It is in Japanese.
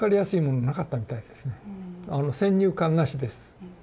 あの先入観なしです。